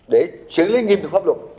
để xử lý nghiêm thực pháp luật